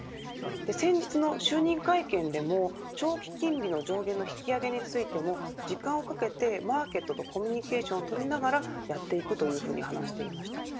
先日の就任会見でも長期金利の上限の引き上げについても時間をかけてマーケットとコミュニケーションを取りながらやっていくと話していました。